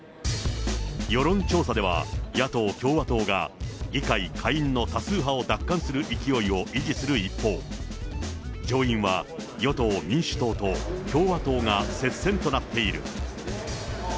世論調査では、野党・共和党が、議会下院の多数派を奪還する勢いを維持する一方、上院は、与党・民主党と共和党が接戦となっている。